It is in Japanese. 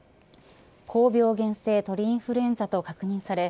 高病原性鳥インフルエンザと確認され